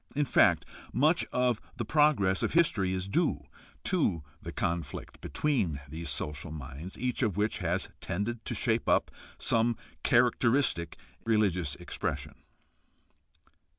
In fact, much of the progress of history is due to the conflict between these social minds, each of which has tended to shape up some characteristic religious expression.